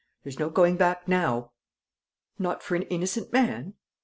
There's no going back now." "Not for an innocent man?"